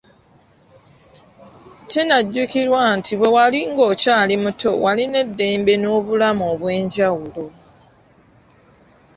Kinajjukirwa nti bwe wali ng'okyali muto walina eddembe n'obulamu obw'enjawulo.